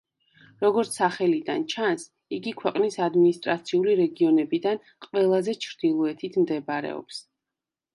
როგორც სახელიდან ჩანს, იგი ქვეყნის ადმინისტრაციული რეგიონებიდან ყველაზე ჩრდილოეთით მდებარეობს.